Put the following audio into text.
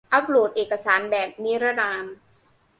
อัพโหลดเอกสารแบบนิรนาม